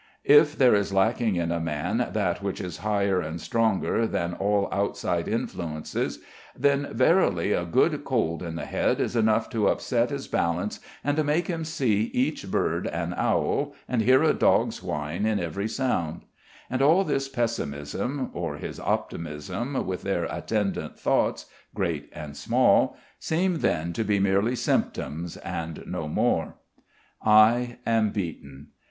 If there is lacking in a man that which is higher and stronger than all outside influences, then verily a good cold in the head is enough to upset his balance and to make him see each bird an owl and hear a dog's whine in every sound; and all his pessimism or his optimism with their attendant thoughts, great and small, seem then to be merely symptoms and no more. I am beaten.